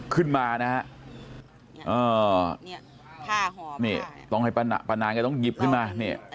ขึ้นมานะฮะนี่ต้องให้ป้านางก็ต้องหยิบขึ้นมานี่